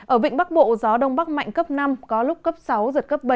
ở vịnh bắc bộ gió đông bắc mạnh cấp năm có lúc cấp sáu giật cấp bảy